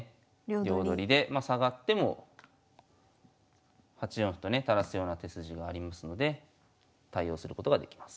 両取りで下がっても８四歩とね垂らすような手筋がありますので対応することができます。